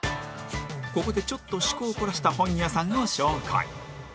ここでちょっと趣向をこらした本屋さんの紹介